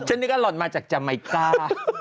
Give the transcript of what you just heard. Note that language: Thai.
ฉันนี้ก็หล่อนมาจากจัมไกล่กา